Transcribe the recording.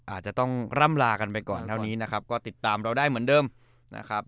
อาจจะต้องร่ำลากันไปก่อนเท่านี้นะครับก็ติดตามเราได้เหมือนเดิมนะครับ